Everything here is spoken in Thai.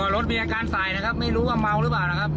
รถมีอาการสายนะครับไม่รู้ว่าเมาหรือเปล่านะครับ